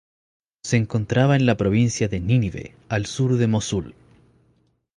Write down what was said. Se encontraba en la provincia de Nínive, al sur de Mosul.